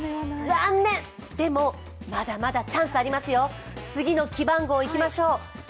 残念、でもまだチャンスはありますよ、次の記番号いきましょう。